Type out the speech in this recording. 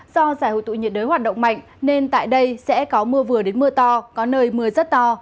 do giải hội tụ nhiệt đới hoạt động mạnh nên tại đây sẽ có mưa vừa đến mưa to có nơi mưa rất to